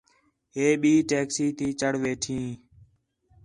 ٻئے ٻئی ٹیکسی تی چڑھ ویٹھین